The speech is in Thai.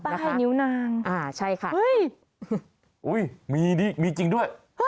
ใต้นิ้วนางอ่าใช่ค่ะเฮ้ยอุ้ยมีดีมีจริงด้วย